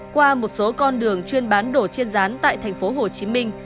qua một số con đường chuyên bán đổ chiên rán tại thành phố hồ chí minh